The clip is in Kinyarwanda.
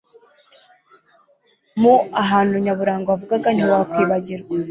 Mu hantu nyaburanga wavuga ntiwakwibagirwa